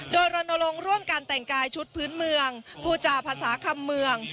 โดยรณรงค์ร่วมกันแต่งกายชุดพื้นเมืองผู้จาภาษาคำเมือง